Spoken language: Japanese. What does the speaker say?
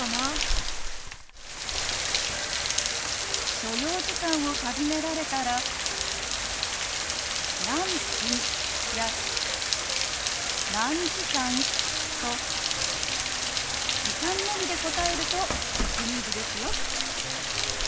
所要時間を尋ねられたら「何分」や「何時間」と時間のみで答えるとスムーズですよ。